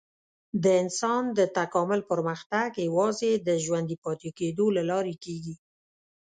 د انسان د تکامل پرمختګ یوازې د ژوندي پاتې کېدو له لارې کېږي.